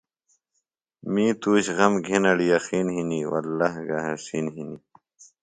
می تُوش غم گِھنڑ یقین ہِنیۡ وﷲگہ حسِین ہِنیۡ۔